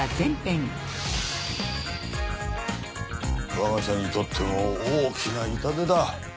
我が社にとっても大きな痛手だ。